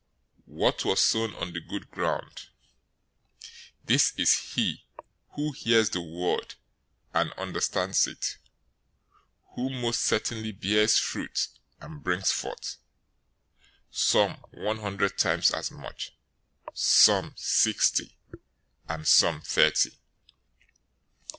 013:023 What was sown on the good ground, this is he who hears the word, and understands it, who most certainly bears fruit, and brings forth, some one hundred times as much, some sixty, and some thirty."